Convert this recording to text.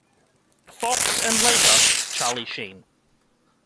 Fox and later, Charlie Sheen.